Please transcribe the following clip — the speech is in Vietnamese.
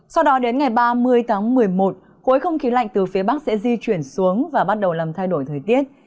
sau đó đến ngày ba mươi tháng một mươi một khối không khí lạnh từ phía bắc sẽ di chuyển xuống và bắt đầu làm thay đổi thời tiết